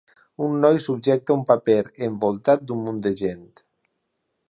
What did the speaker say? Un noi subjecta un paper envoltat d'un munt de gent.